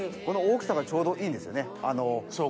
この大きさがちょうどいいんですよね。